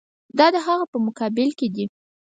دا د هغه په مقابل کې دي.